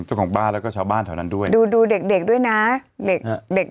เจ้าของบ้านแล้วก็ชาวบ้านแถวนั้นด้วยดูดูเด็กเด็กด้วยนะเด็กฮะเด็ก